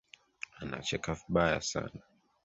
Anacheka vibaya sana